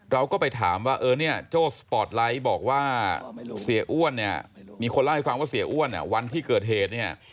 เราก็ไปถามว่าเออเนี่ยโจ้สปอร์ตไลท์บอกว่าเสียอ้วนเนี่ยมีคนเล่าให้ฟังว่าเสียอ้วนวันที่เกิดเหตุเนี่ย